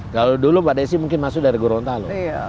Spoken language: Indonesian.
kalau dulu mbak desi mungkin masuk dari gorontalo